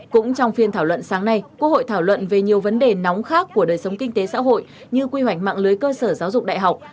cũng trong phiên thảo luận sáng nay quốc hội thảo luận về nhiều vấn đề nóng khác của đời sống kinh tế xã hội như quy hoạch mạng lưới cơ sở giáo dục đại học